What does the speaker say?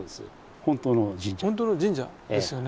本当の神社ですよね。